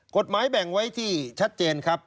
กฎหมายแบ่งไว้ที่ชัดเจนครับ